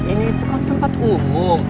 ini bukan tempat umum